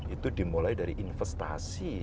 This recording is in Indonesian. itu dimulai dari investasi